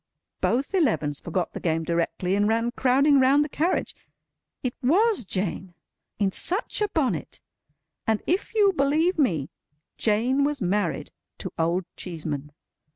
Both Elevens forgot the game directly, and ran crowding round the carriage. It was Jane! In such a bonnet! And if you'll believe me, Jane was married to Old Cheeseman.